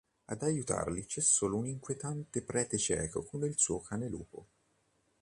Ad aiutarli c’è solo un inquietante prete cieco con il suo cane-lupo.